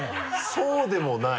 「そうでもない」？